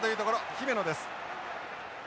姫野です。